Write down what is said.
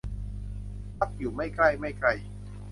มักอยู่ไม่ใกล้ไม่ไกล